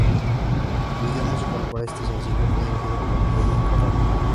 El video musical para este sencillo fue dirigido por Benny Corral.